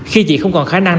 khi chị không còn khả năng